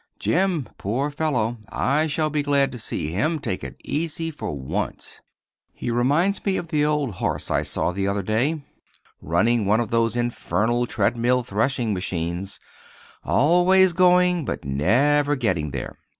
Jim—poor fellow, I shall be glad to see him take it easy, for once. He reminds me of the old horse I saw the other day running one of those infernal treadmill threshing machines—always going, but never getting there.